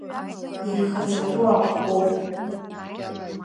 Ирхаҵатәу аҟәҟәоуп.